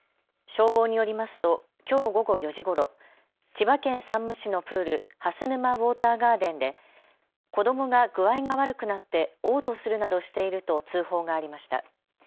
消防によりますときょう午後４時ごろ、千葉県山武市のプール、蓮沼ウォーターガーデンで子どもが具合が悪くなっておう吐するなどしていると通報がありました。